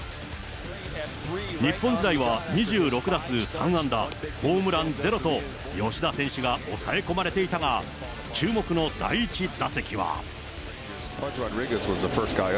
日本時代は２６打数３安打、ホームラン０と、吉田選手が抑え込まれていたが、注目の第１打席は。